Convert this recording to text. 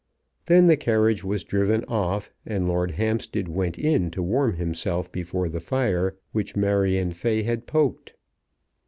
Then the carriage was driven off, and Lord Hampstead went in to warm himself before the fire which Marion Fay had poked.